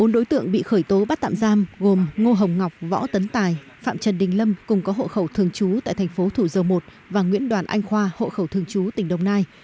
bốn đối tượng bị khởi tố bắt tạm giam gồm ngô hồng ngọc võ tấn tài phạm trần đình lâm cùng có hộ khẩu thường trú tại thành phố thủ dầu một và nguyễn đoàn anh khoa hộ khẩu thường chú tỉnh đồng nai